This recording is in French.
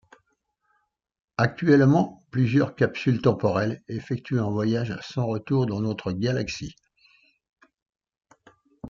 Actuellement, plusieurs capsules temporelles effectuent un voyage sans retour dans notre Galaxie.